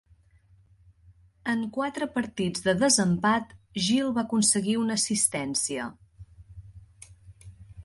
En quatre partits de desempat, Gill va aconseguir una assistència.